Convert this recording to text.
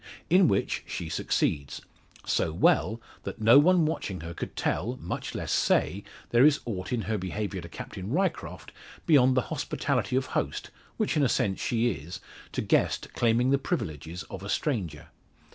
In which she succeeds; so well, that no one watching her could tell, much less say, there is aught in her behaviour to Captain Ryecroft beyond the hospitality of host which in a sense she is to guest claiming the privileges of a stranger.